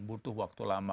butuh waktu lama